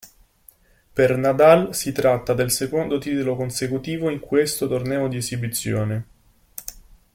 Per Nadal si tratta del secondo titolo consecutivo in questo torneo di esibizione.